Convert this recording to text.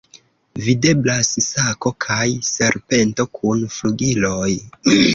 Videblas sako kaj serpento kun flugiloj.